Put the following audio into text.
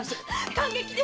感激です！